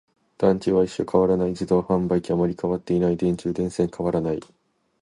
団地は一緒、変わらない。自動販売機、あまり変わっていない。電柱、電線、変わらない。